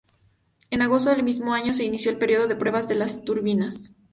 En agosto del mismo año se inició el período de pruebas de las turbinas.